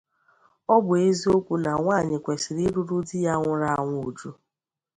Ọ bụ eziokwu na nwaanyị kwesiri iruru di ya nwụrụ anwụ uju